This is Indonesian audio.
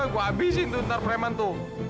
gue habisin tuh ntar preman tuh